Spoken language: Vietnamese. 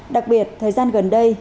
đặc biệt thời gian gần đây